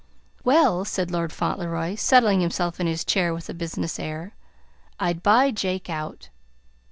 "Well," said Lord Fauntleroy, settling himself in his chair with a business air, "I'd buy Jake out."